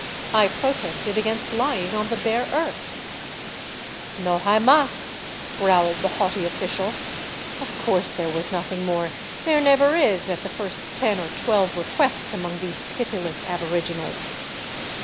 I protested against lying on the bare earth. " No hay mas,'* growled the haughty official. Of course there was nothing more; there never is at the first ten or twelve requests among these pitiless aboriginals.